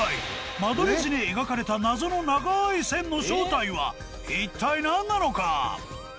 間取り図に描かれた謎の長い線の正体は一体何なのか！？